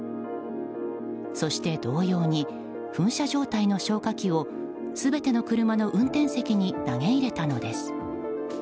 そして同様に噴射状態の消火器を全ての車の運転席に投げ入れたのです。